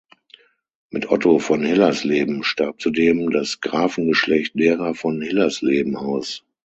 Mit Otto von Hillersleben starb zudem das Grafengeschlecht derer von Hillersleben aus.